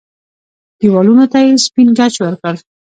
دېوالونو ته يې سپين ګچ ورکړ.